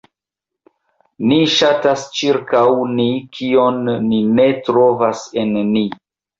Ni ŝatas ĉirkaŭ ni, kion ni ne trovas en ni.